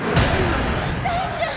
大ちゃん！